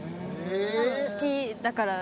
好きだから。